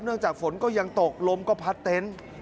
เนื่องจากฝนก็ยังตกลมก็พัดเต้น